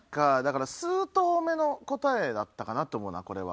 数答目の答えだったかなって思うなこれは。